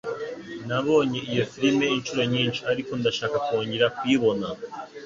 Nabonye iyo firime inshuro nyinshi, ariko ndashaka kongera kuyibona.